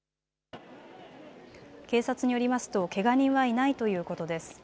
警察によりますとけが人はいないということです。